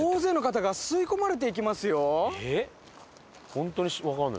ホントにわかんない。